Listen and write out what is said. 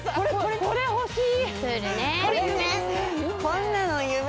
これ欲しい。